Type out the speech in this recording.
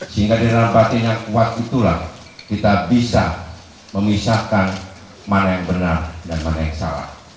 sehingga dengan batin yang kuat itulah kita bisa memisahkan mana yang benar dan mana yang salah